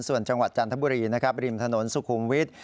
ส่วนจังหวัดจันทบุรีนะครับริมถนนสุขุมวิทย์